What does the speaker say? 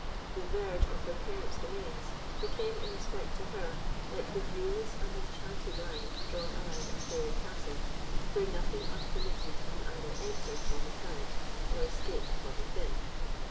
The verge of her parents' domains became, in respect to her, like the viewless and enchanted line drawn around a fairy castle, where nothing unpermitted can either enter from without or escape from within.